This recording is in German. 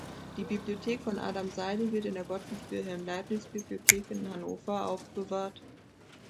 Die Bibliothek von Adam Seide wird in der Gottfried-Wilhelm-Leibniz-Bibliothek in Hannover aufbewahrt.